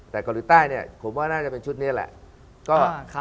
แต่เกาหลีใต้เนี่ยผมว่าน่าจะเป็นชุดนี้แหละ